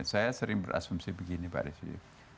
saya sering berasumsi begini pak desi